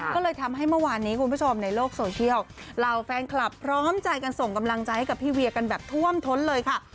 ก็เลยทำให้เมื่อวานนี้คุณผู้ชมในโลกโซเชียลเหล่าแฟนคลับพร้อมใจกันส่งกำลังใจให้กับพี่เวียกันแบบท่วมท้นเลยค่ะ